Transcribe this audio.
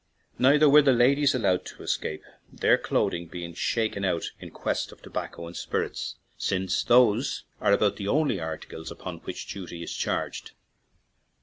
Neither were the ladies allowed to escape, their clothing being shaken out in quest of tobacco and spirits, since those are about the only articles on which duty is charged.